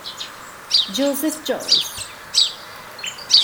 Joseph Joyce